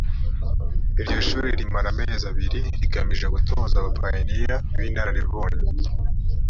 iryo shuri rimara amezi abiri rigamije gutoza abapayiniya b’ inararibonye.